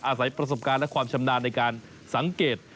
อาศัยประสบการณ์และความชำนาญในการสังเกต